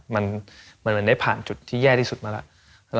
มันได้ผ่านจุดที่แย่ที่สุดมาแล้ว